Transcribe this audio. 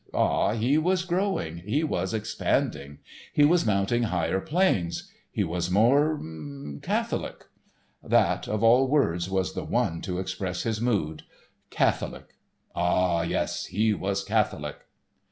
Ah, he was growing, he was expanding. He was mounting higher planes. He was more—catholic. That, of all words, was the one to express his mood. Catholic, ah, yes, he was catholic!